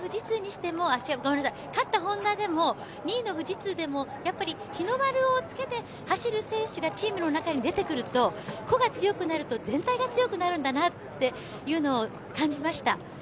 勝ったＨｏｎｄａでも２位の富士通でもやっぱり日の丸をつけて走る選手がチームの中に出てくると個が強くなると全体が強くなるんだなというのを感じました。